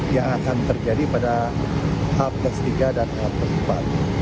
yang akan terjadi pada abad ke tiga dan abad ke empat